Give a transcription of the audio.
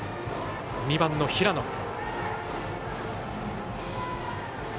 ２番、平野。